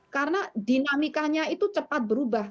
karena dinamikanya itu cepat berubah